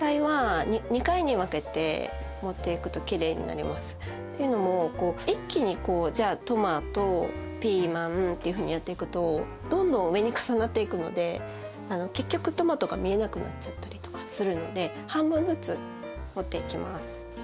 残りのというのも一気にじゃあトマトピーマンっていうふうにやっていくとどんどん上に重なっていくので結局トマトが見えなくなっちゃったりとかするので半分ずつ盛っていきます。